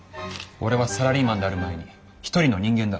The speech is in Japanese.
俺はサラリーマンである前に一人の人間だ。